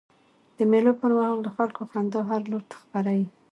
د مېلو پر مهال د خلکو خندا هر لور ته خپره يي.